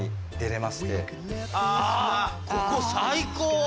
ここ最高。